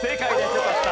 よかった。